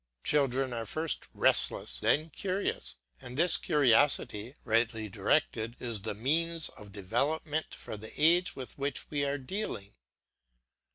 Children are first restless, then curious; and this curiosity, rightly directed, is the means of development for the age with which we are dealing.